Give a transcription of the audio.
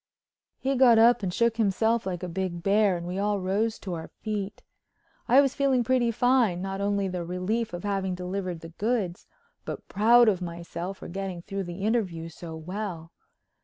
He got up and shook himself like a big bear and we all rose to our feet. I was feeling pretty fine, not only the relief of having delivered the goods, but proud of myself for getting through the interview so well.